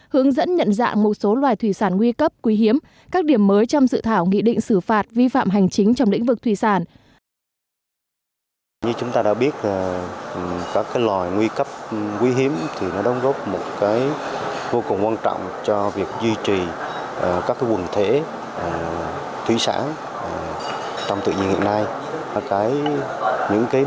hướng dẫn nhận dạng một số loài thủy sản nguy cấp quý hiếm các điểm mới trong dự thảo nghị định xử phạt vi phạm hành chính trong lĩnh vực thủy sản